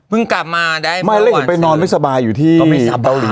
เพิ่งกลับมาได้ไอ้ก้นไปนอนไม่สบายอยู่ที่เกาหลี